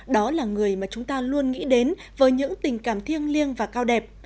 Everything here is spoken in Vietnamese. đó là người mà chúng ta luôn nghĩ đến với những tình cảm thiêng liêng và cao đẹp